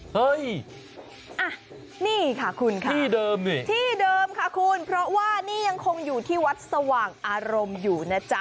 เฮ้ยอ่ะนี่ค่ะคุณค่ะที่เดิมนี่ที่เดิมค่ะคุณเพราะว่านี่ยังคงอยู่ที่วัดสว่างอารมณ์อยู่นะจ๊ะ